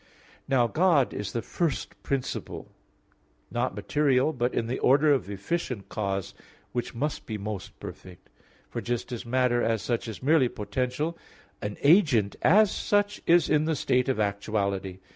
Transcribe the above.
Now God is the first principle, not material, but in the order of efficient cause, which must be most perfect. For just as matter, as such, is merely potential, an agent, as such, is in the state of actuality.